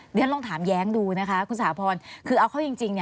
เดี๋ยวฉันลองถามแย้งดูนะคะคุณสหพอร์น